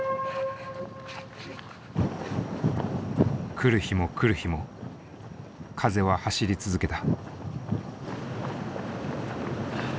来る日来る日も風は走り続けた。